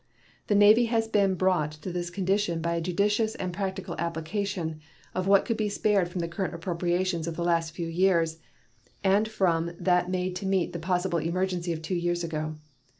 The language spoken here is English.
The Navy has been brought to this condition by a judicious and practical application of what could be spared from the current appropriations of the last few years and from that made to meet the possible emergency of two years ago.